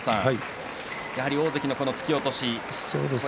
やはり大関の突き落とし。